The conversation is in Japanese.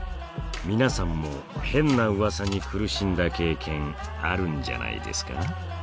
皆さんも変なうわさに苦しんだ経験あるんじゃないですか？